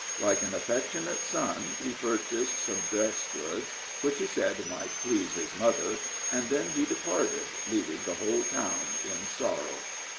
Like an affectionate son, he purchased some dress goods, which he said might please his mother, and then he departed, leaving the whole town in sorrow.